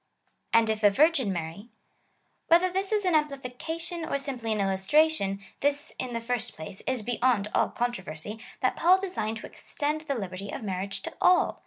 And if a virgin marry. Wliether this is an amplification, or simply an illustration, this, in the first place, is beyond all controversy, that Paul designed to extend the liberty of marriage to all.